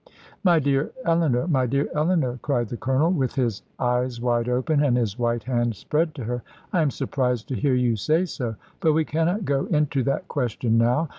"My dear Eleanor, my dear Eleanor," cried the Colonel, with his eyes wide open, and his white hand spread to her; "I am surprised to hear you say so. But we cannot go into that question now.